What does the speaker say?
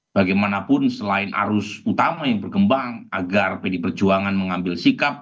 bagaimanapun selain arus utama yang berkembang agar pd perjuangan mengambil sikap